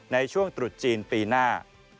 ในช่วงตรุษจีนปีหน้า